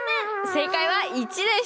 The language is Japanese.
正解は１でした。